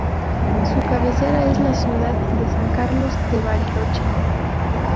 Su cabecera es la ciudad de San Carlos de Bariloche.